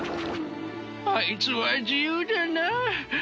あいつは自由だなあ。